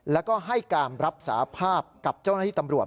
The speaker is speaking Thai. แล้วก็ให้การรับสาภาพกับเจ้าหน้าที่ตำรวจ